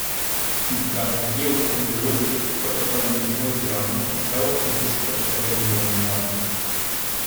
Sie begann geochronologisch vor etwa Millionen Jahren und dauerte bis vor etwa Millionen Jahren.